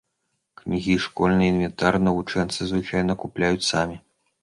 Кнігі і школьны інвентар навучэнцы звычайна купляюць самі.